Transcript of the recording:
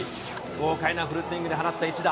豪快なフルスイングで放った一打。